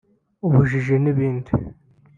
ubujiji n’ibindi